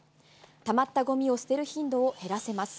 たまったごみを捨てる頻度を減らせます。